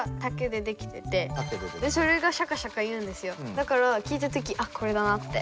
だから聞いた時「あっこれだな」って。